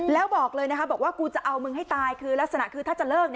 แล้วบอกเลยนะคะบอกว่ากูจะเอามึงให้ตายคือลักษณะคือถ้าจะเลิก